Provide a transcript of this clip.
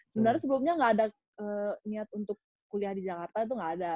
sebenernya sebelumnya gak ada niat untuk kuliah di jakarta tuh gak ada